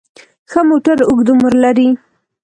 ښه موټر اوږد عمر لري.